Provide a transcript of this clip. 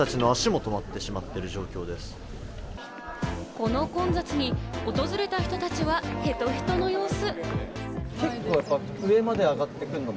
この混雑に訪れた人たちはヘトヘトの様子。